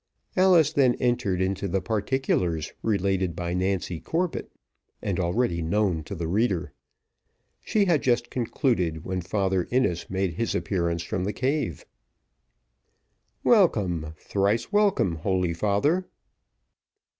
Alice then entered into the particulars related by Nancy Corbett, and already known to the reader. She had just concluded when Father Innis made his appearance from the cave. "Welcome, thrice welcome, holy father."